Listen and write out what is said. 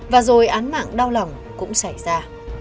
và rồi án mạng đau lòng cũng xảy ra